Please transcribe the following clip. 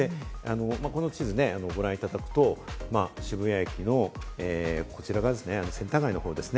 この地図をご覧いただくと、渋谷駅のこちら側ですね、センター街のほう。